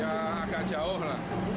agak jauh lah